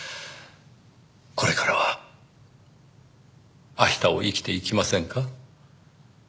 これからは明日を生きていきませんか？